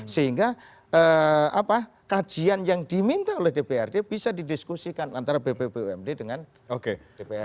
sehingga kajian yang diminta oleh dprd bisa didiskusikan antara bpumd dengan dpr